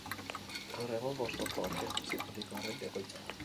Gaur egun Bostongo Orkestra Sinfonikoaren egoitza da.